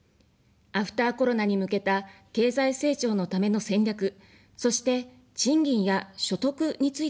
アフターコロナに向けた経済成長のための戦略、そして、賃金や所得についてはどうでしょうか。